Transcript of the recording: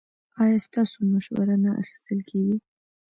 ایا ستاسو مشوره نه اخیستل کیږي؟